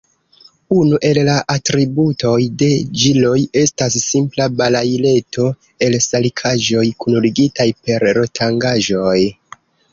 Unu el la atributoj de ĵiloj estas simpla balaileto el salikaĵoj, kunligitaj per rotangaĵoj.